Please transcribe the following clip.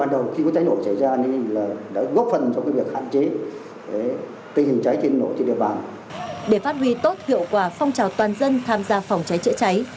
để phát huy tốt hiệu quả phong trào toàn dân tham gia phòng cháy chữa cháy